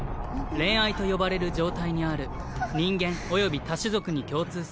恋愛と呼ばれる状態にある人間および他種族に共通する。